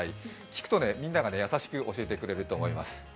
聞くとみんなが優しく教えてくれると思います。